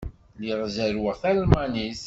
Lliɣ zerrweɣ talmanit.